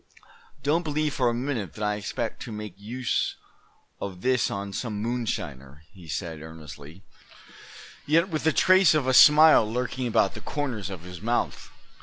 "Don't believe for a minute that I expect to make use of this on some moonshiner," he said, earnestly, yet with a trace of a smile lurking about the corners of his mouth.